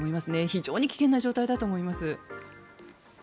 非常に危険な状態だと思います。